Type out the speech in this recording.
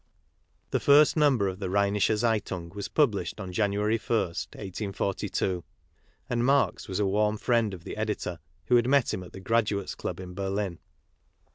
The first number of the Rheinische Zeitung was pub lished on January ist, 1842, and Marx was a warm friend of the editor, who had met him at the Graduates' Club in Berlin.